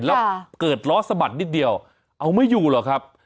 แล้วเกิดล้อสะบัดนิดเดียวเอาไม่อยู่หรอกครับ